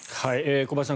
小林さん